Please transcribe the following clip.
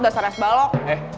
dasar es balok